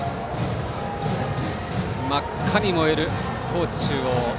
真っ赤に燃える高知中央。